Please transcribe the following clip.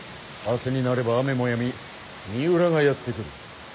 明日になれば雨もやみ三浦がやって来る。